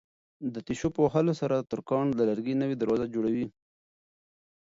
د تېشو په وهلو سره ترکاڼ د لرګي نوې دروازه جوړوي.